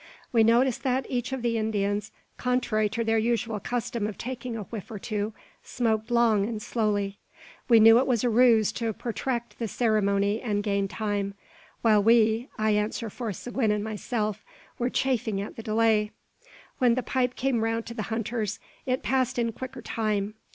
We noticed that each of the Indians, contrary to their usual custom of taking a whiff or two, smoked long and slowly. We knew it was a ruse to protract the ceremony and gain time; while we I answer for Seguin and myself were chafing at the delay. When the pipe came round to the hunters, it passed in quicker time.